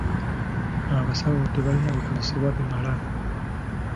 Abasawo tebalina bikozesebwa bimala.